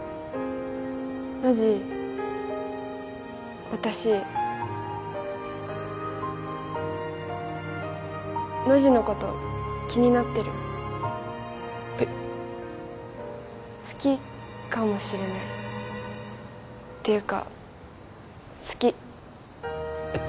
ノジ私ノジのこと気になってるえっ好きかもしれないていうか好きえっ